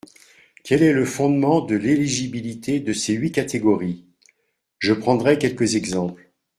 Quel est le fondement de l’éligibilité de ces huit catégories ? Je prendrai quelques exemples.